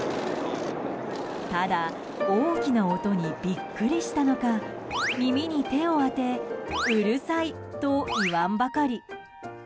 ただ、大きな音にビックリしたのか耳に手を当てうるさい！と言わんばかり。